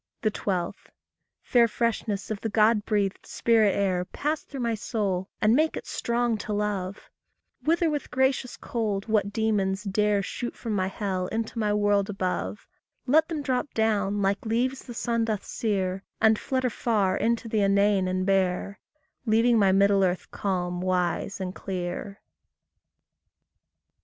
12. Fair freshness of the God breathed spirit air, Pass through my soul, and make it strong to love; Wither with gracious cold what demons dare Shoot from my hell into my world above; Let them drop down, like leaves the sun doth sear, And flutter far into the inane and bare, Leaving my middle earth calm, wise, and clear.